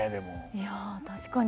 いや確かに。